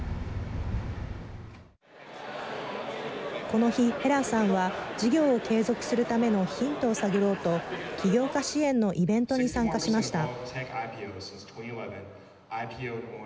この日、ヘラーさんは事業を継続するためのヒントを探ろうと起業家支援のイベントに参加しました。